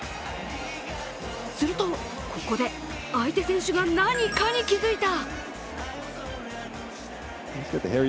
すると、ここで相手選手が何かに気づいた。